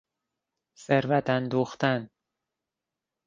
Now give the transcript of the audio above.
ثروت اندوختن